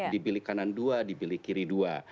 dibilik kanan dua dibilik kiri dua